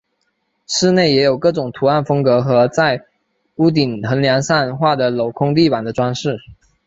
寺内也有各种图案风格和在屋顶横梁上画的镂空地板的装饰。